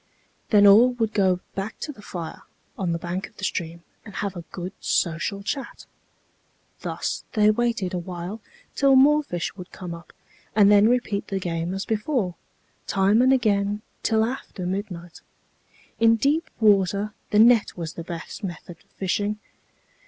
Then all would go back to the fire on the bank of the stream, and have a good social chat. Thus they waited a while till more fish would come up, and then repeat the game as before, time and again, till after midnight. In deep water the net was the best method of fishing.